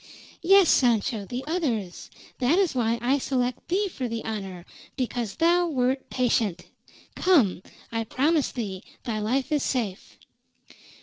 "Yes, Sancho, the others. That is why I select thee for the honor, because thou wert patient. Come. I promise thee thy life is safe."